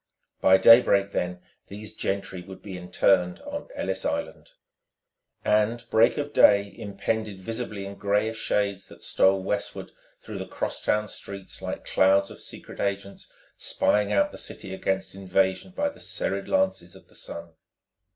By daybreak, then, these gentry would be interned on Ellis Island.... And break of day impended visibly in grayish shades that stole westward through the cross town streets like clouds of secret agents spying out the city against invasion by the serried lances of the sun.